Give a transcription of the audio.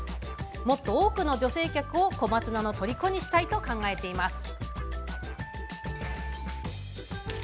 もっと多くの女性客を小松菜のとりこにしたいと考えています。